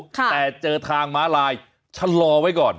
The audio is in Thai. แต่เจอทางม้าลายชะลอไว้ก่อน